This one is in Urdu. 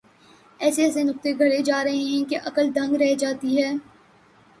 ایسے ایسے نکتے گھڑے جا رہے ہیں کہ عقل دنگ رہ جاتی ہے۔